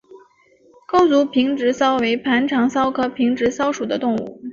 钩足平直蚤为盘肠蚤科平直蚤属的动物。